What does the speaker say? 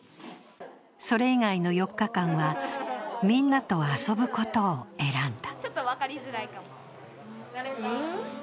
それ以外の４日間はみんなと遊ぶことを選んだ。